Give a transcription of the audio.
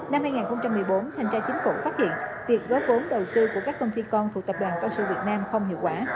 năm hai nghìn một mươi bốn thanh tra chính phủ phát hiện việc góp vốn đầu tư của các công ty con thuộc tập đoàn cao su việt nam không hiệu quả